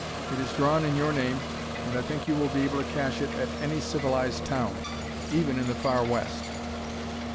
It is drawn in your name, and I think you will be able to cash it at any civilised town even in the far west!